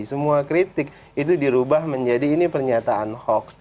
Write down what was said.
semua kritik itu dirubah menjadi ini pernyataan hoax